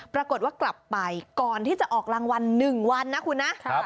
ปรากฏว่ากลับไปก่อนที่จะออกรางวัล๑วันนะคุณนะ